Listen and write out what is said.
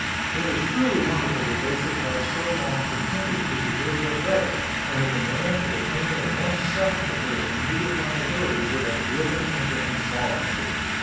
It is truly wonderful that they should have so long continued to preserve their credit when a demand for the payment of one seventh of their immediate liabilities would have driven them into insolvency.